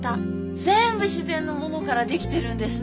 全部自然のものから出来てるんですね。